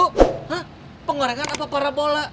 hah pengorengan apa parabola